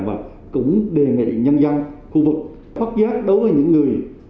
và cũng đề nghị nhân dân khu vực phát giác đối với những người